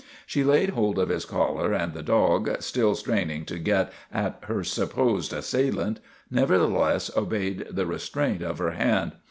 She laid hold of his collar and the dog, still straining to get at her supposed assailant, nevertheless obeyed the restraint of her hand.